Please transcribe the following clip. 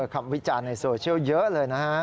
วิจารณ์ในโซเชียลเยอะเลยนะฮะ